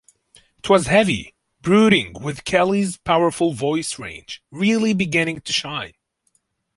It was heavy, brooding with Kelly's powerful vocal range really beginning to shine.